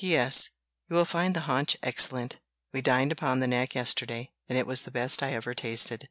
"P.S. You will find the haunch excellent; we dined upon the neck yesterday, and it was the best I ever tasted."